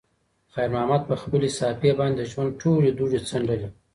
خیر محمد په خپلې صافې باندې د ژوند ټولې دوړې څنډلې.